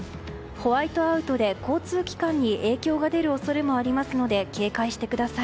ホワイトアウトで交通機関に影響が出る恐れもありますので警戒してください。